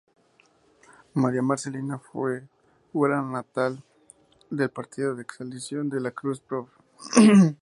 María Marcelina figura natural del partido de Exaltación de la Cruz, prov.